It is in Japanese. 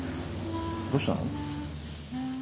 どうしたの？